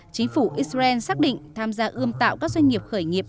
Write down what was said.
chính phủ israel xác định tham gia ươm tạo các doanh nghiệp khởi nghiệp